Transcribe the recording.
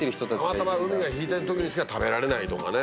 たまたま海が引いてる時にしか食べられないとかね。